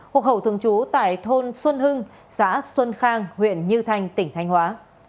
hộ khẩu thường trú tại thôn xuân hưng xã xuân khang huyện như thanh tỉnh thanh hóa